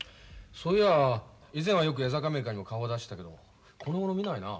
そういやあ以前はよく江坂アメリカにも顔出してたけどこのごろ見ないな。